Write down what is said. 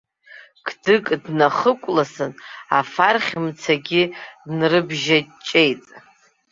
Қдык днахыкәласын, афархь мцагьы нрыбжьаҷҷеит.